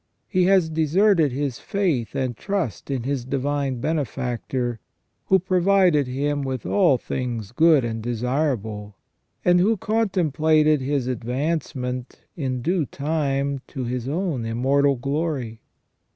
He has deserted his faith and trust in his Divine Benefactor, who provided him with all things good and desirable, and who contemplated his advancement in due time to His own immortal glory.